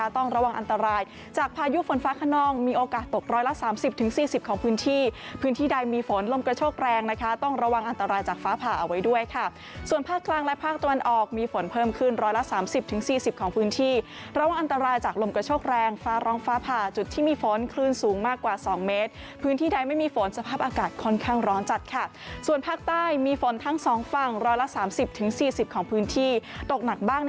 ต้องระวังอันตรายจากฟ้าผ่าเอาไว้ด้วยค่ะส่วนภาคกลางและภาคตะวันออกมีฝนเพิ่มขึ้นร้อยละสามสิบถึงสี่สิบของพื้นที่ระวังอันตรายจากลมกระโชคแรงฟ้าร้องฟ้าผ่าจุดที่มีฝนคลื่นสูงมากกว่าสองเมตรพื้นที่ใดไม่มีฝนสภาพอากาศค่อนข้างร้อนจัดค่ะส่วนภาคใต้มีฝนทั้งสอง